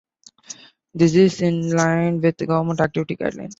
This is in line with Government activity guidelines.